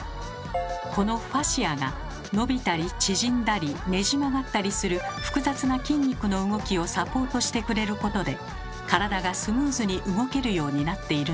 このファシアが伸びたり縮んだりねじ曲がったりする複雑な筋肉の動きをサポートしてくれることで体がスムーズに動けるようになっているのです。